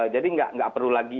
jadi nggak perlu lagi